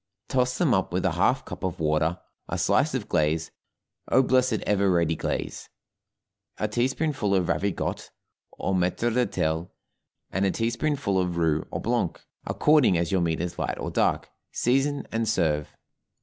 Toss them up with a half cup of water, a slice of glaze (oh, blessed ever ready glaze!) a teaspoonful of ravigotte, or maître d'hôtel, and a teaspoonful of roux or blanc, according as your meat is light or dark, season, and serve.